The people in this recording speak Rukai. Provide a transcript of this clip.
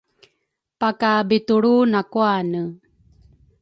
pakabitulru nakuane.